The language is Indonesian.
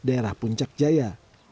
daerah puncak jaya